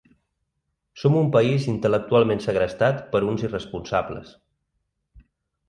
Som un país intel·lectualment segrestat per uns irresponsables